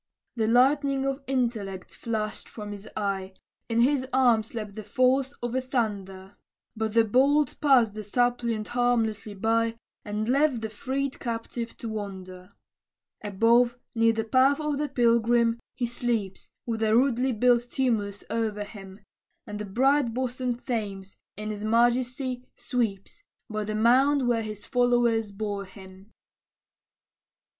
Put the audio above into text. The lightning of intellect flashed from his eye, In his arm slept the force of the thunder, But the bolt passed the suppliant harmlessly by, And left the freed captive to wonder. Above, near the path of the pilgrim, he sleeps, With a rudely built tumulus o'er him; And the bright bosomed Thames, in his majesty, sweeps, By the mound where his followers bore him.